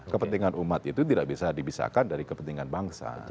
kepentingan umat itu tidak bisa dibisarkan dari kepentingan bangsa